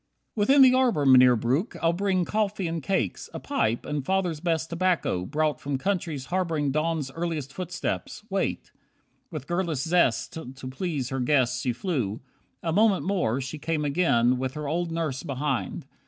30 "Within the arbour, Mynheer Breuck, I'll bring Coffee and cakes, a pipe, and Father's best Tobacco, brought from countries harbouring Dawn's earliest footstep. Wait." With girlish zest To please her guest she flew. A moment more She came again, with her old nurse behind.